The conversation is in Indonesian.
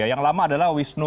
yang lama adalah wistos